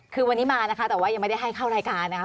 คือวันนี้มานะคะแต่ว่ายังไม่ได้ให้เข้ารายการนะคะ